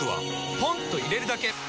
ポンと入れるだけ！